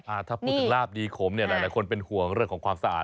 ถ้าพูดถึงลาบดีขมเนี่ยหลายคนเป็นห่วงเรื่องของความสะอาด